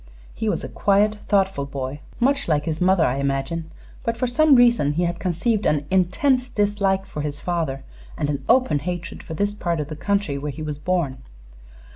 He was a quiet, thoughtful boy; much like his mother, I imagine; but for some reason he had conceived an intense dislike for his father and an open hatred for this part of the country, where he was born.